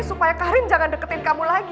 supaya karin jangan deketin kamu lagi